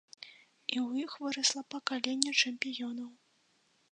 І ў іх вырасла пакаленне чэмпіёнаў.